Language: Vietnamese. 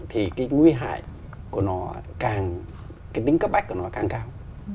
thì cái nguy hại của nó càng cái tính cấp bách của nó càng cao